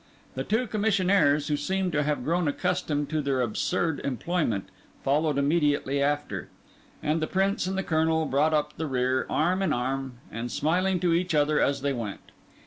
The two commissionaires, who seemed to have grown accustomed to their absurd employment, followed immediately after; and the Prince and the Colonel brought up the rear, arm in arm, and smiling to each other as they went.